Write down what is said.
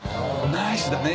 ナイスだね！